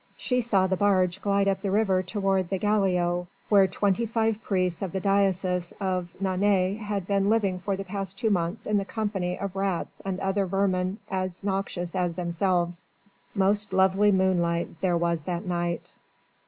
She saw the barge glide up the river toward the galliot where twenty five priests of the diocese of Nantes had been living for the past two months in the company of rats and other vermin as noxious as themselves. Most lovely moonlight there was that night.